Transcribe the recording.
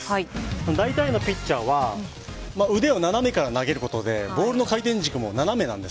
大体のピッチャーは、腕を斜めから投げることでボールの回転軸も斜め。